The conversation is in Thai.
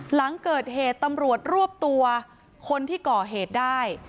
หลังเกิดเหตุตำรวจรวบตัวคนที่ก่อเหตุได้